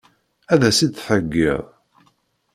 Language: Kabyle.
Ad as-t-id-theggiḍ?